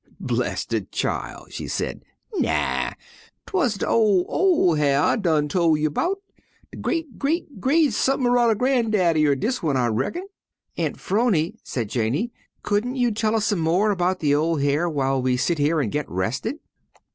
"Bless de chil'!" said she. "Naw, 'twuz de ol', ol' Hyar' I done tol' you 'bout, de gre't gre't gre't sump'n ru'rr grandaddy er dis one, I reckon." "Aunt 'Phrony," said Janey, "couldn't you tell us some more about the old hare while we sit here and get rested?"